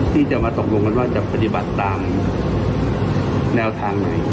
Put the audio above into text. ที่จะมาตกลงกันว่าจะปฏิบัติตามแนวทางไหน